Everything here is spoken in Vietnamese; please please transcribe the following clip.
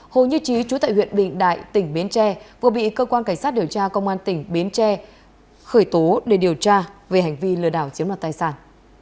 hồ như trí trú tại huyện bình đại tỉnh bến tre vừa bị cơ quan cảnh sát điều tra công an tỉnh bến tre khởi tố để điều tra về hành vi lừa đảo chiếm đoạt tài sản